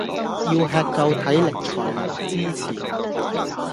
要吃夠體力才能支持